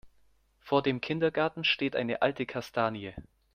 Vor dem Kindergarten steht eine alte Kastanie.